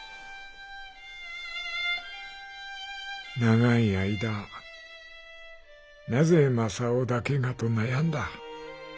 「長い間『なぜ雅夫だけが』と悩んだ。